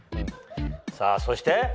さぁそして？